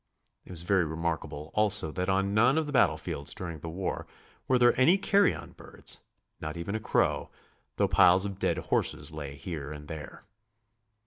It was very remarkable also that on none of the battlefields during the war were there any carrion birds, not even a crow, though piles of dead horses lay here and there.